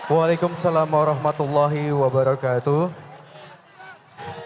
waalaikumsalam warahmatullahi wabarakatuh